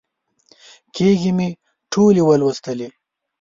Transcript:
کېږې مې ټولې ولوسلې.